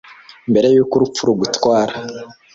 mbere yuko urupfu rugutwara